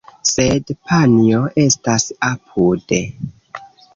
Sed panjo estas apude.